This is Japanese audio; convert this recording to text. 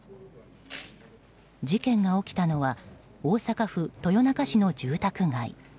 事件が起きたのは大阪府豊中市の住宅街。